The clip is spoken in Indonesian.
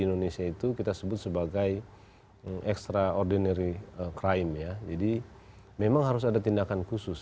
indonesia itu kita sebut sebagai extraordinary crime ya jadi memang harus ada tindakan khusus